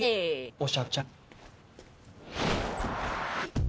おしゃ子ちゃん。